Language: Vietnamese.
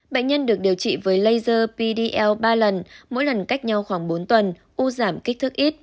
bệnh nhân được điều trị với laser pl ba lần mỗi lần cách nhau khoảng bốn tuần u giảm kích thước ít